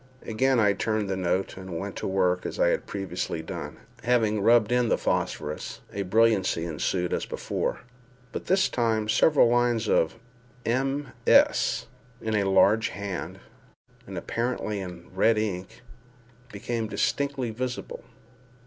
Again I turned the note, and went to work as I had previously done. Having rubbed in the phosphorus, a brilliancy ensued as before—but this time several lines of MS. in a large hand, and apparently in red ink, became distinctly visible.